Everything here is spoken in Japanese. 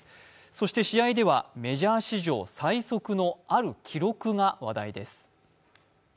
そして試合では、メジャー史上最速のある記録が話題です。